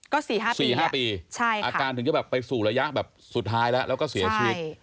ก็๔๕ปีอาการถึงจะไปสู่ระยะสุดท้ายแล้วก็เสียชีวิต